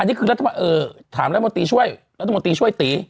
นี่คือถามรัฐมนตรีช่วยรัฐมนตรีช่วยตี